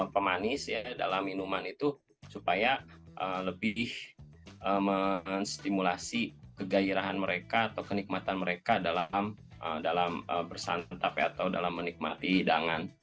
pemanis ya dalam minuman itu supaya lebih menstimulasi kegairahan mereka atau kenikmatan mereka dalam bersantap atau dalam menikmati hidangan